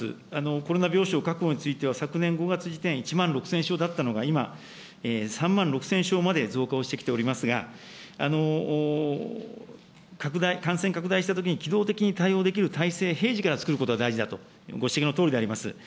コロナ病床確保については、昨年５月時点１万６０００床だったのが、今、３万６０００床まで増加をしてきておりますが、拡大、感染拡大したときに機動的に対応できる体制、平時から作ることが大事だと、ご指摘のとおりであります。